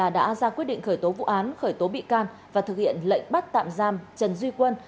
đã ra quyết định khởi tố vụ án khởi tố bị can và thực hiện lệnh bắt tạm giam trần duy quân